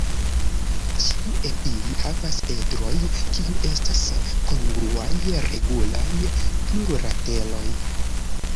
Ĉiu el ili havas edroj kiu estas kongruaj regulaj plurlateroj.